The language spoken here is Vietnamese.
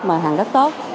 mà hàng rất tốt